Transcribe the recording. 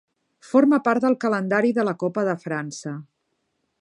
Forma part del calendari de la Copa de França.